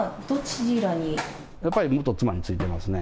やっぱり元妻についてますね。